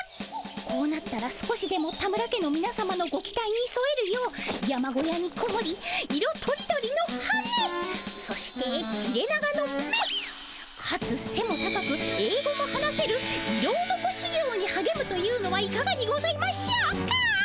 こうなったら少しでも田村家のみなさまのご期待にそえるよう山小屋にこもり色とりどりの羽そして切れ長の目かつせも高くえい語も話せるイロオノコしゅぎょうにはげむというのはいかがにございましょうか？